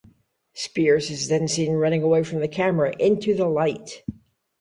Spears is then seen running away from the camera into the light.